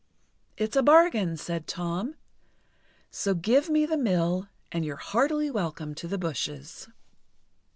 "It's a bargain," said Tom. "So give me the mill, and you're heartily welcome to the bushes."